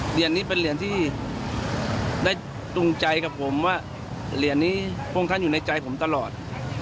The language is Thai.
เหรียญนี้เป็นเหรียญที่ได้จูงใจกับผมว่าเหรียญนี้พระองค์ท่านอยู่ในใจผมตลอด